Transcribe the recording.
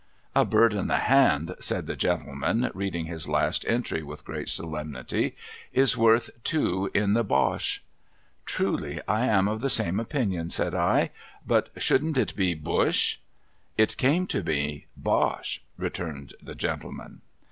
'"A bird in the hand,"' said the gentleman, reading his last entry with great solemnity, '" is worth two in the Bosh." '' Truly I am of the same opinion,' said I ;' but shouldn't it be Bush?' ' It came to me. Bosh,' returned the gentleman.